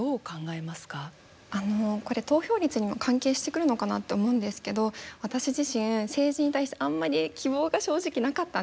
これ投票率にも関係してくるのかなって思うんですけど私自身政治に対してあんまり希望が正直なかったんです。